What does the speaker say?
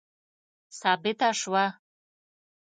ثابته سوه.